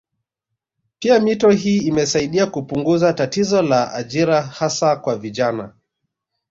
Pia mito hii imesaidia kupunguza tatizo la ajira hasa kwa vijana